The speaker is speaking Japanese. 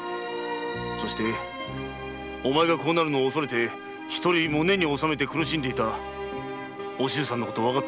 そしてお前がこうなるのを恐れ独り胸におさめて苦しんでいたお静さんのことをわかってやれ。